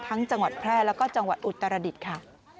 ทั้งจังหวัดแพร่และจังหวัดอุตรดิตค่ะ